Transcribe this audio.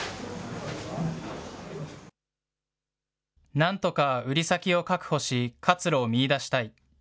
なんとか売り先を確保し、活路を見いだしたい。